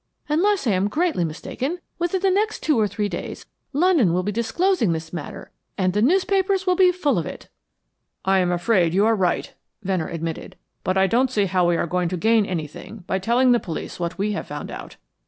Unless I am greatly mistaken, within the next two or three days London will be disclosing this matter and the newspapers will be full of it." "I am afraid you are right," Venner admitted; "but I don't see how we are going to gain any thing by telling the police what we have found out.